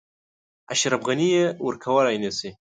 اشرف غني یې ورکولای نه شي.